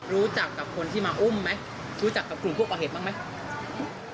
รู้จักกับคนที่มาอุ้มไหมรู้จักกับกลุ่มผู้ก่อเหตุบ้างไหม